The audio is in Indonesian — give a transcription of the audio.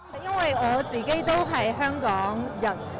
tidak ada yang menolak